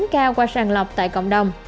một mươi chín ca qua sàn lọc tại cộng đồng